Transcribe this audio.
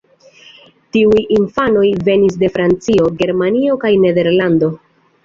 Tiuj infanoj venis de Francio, Germanio kaj Nederlando.